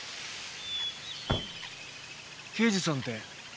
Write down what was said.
刑事さんって。